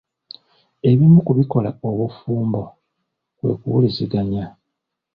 Ebimu ku bikola obufumba kwe kuwuliziganya.